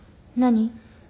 何？